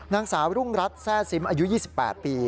นางสาวรุ่งรัฐแทร่ซิมอายุ๒๘ปี